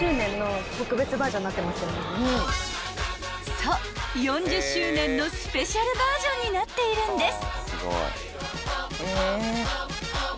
［そう４０周年のスペシャルバージョンになっているんです］